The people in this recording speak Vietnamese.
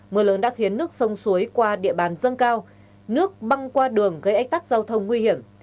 mưa lớn đã khiến nước sông suối qua địa bàn dâng cao nước băng qua đường gây ách tắc giao thông nguy hiểm